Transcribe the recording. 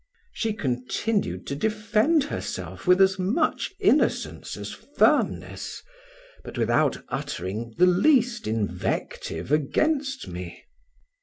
She continued to defend herself with as much innocence as firmness, but without uttering the least invective against me.